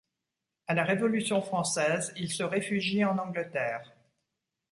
A la Révolution française il se réfugie en Angleterre.